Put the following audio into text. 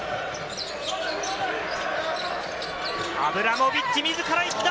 アブラモビッチ、自らいった！